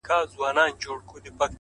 • نه له ویري سوای له غاره راوتلای ,